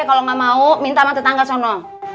kalau nggak mau minta sama tetangga sono